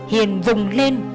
hiền vùng lên